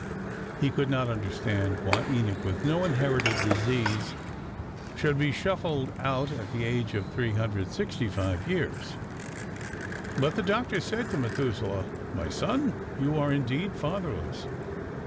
He could not understand why Enoch, with no inherited disease, should be shuffled out at the age of 365 years. But the doctor said to Methuselah: "My son, you are indeed fatherless.